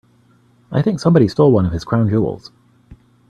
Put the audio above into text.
I think somebody stole one of his crown jewels.